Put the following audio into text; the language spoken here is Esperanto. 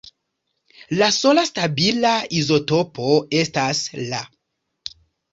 La sola stabila izotopo estas La.